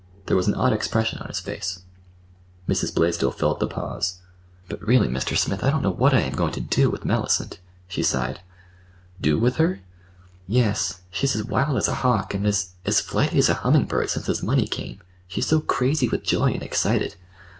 There was an odd expression on his face. Mrs. Blaisdell filled the pause. "But, really, Mr. Smith, I don't know what I am going to do—with Mellicent," she sighed. "Do with her?" "Yes. She's as wild as a hawk and as—as flighty as a humming bird, since this money came. She's so crazy with joy and excited."